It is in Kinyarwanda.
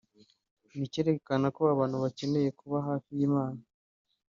ni icyerekana ko abantu bakeneye kuba hafi y’Imana